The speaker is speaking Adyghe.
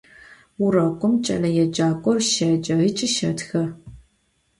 Vurokım ç'eleêcak'or şêce ıç'i şetxe.